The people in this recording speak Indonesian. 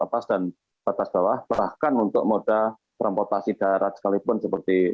atas dan batas bawah bahkan untuk moda transportasi darat sekalipun seperti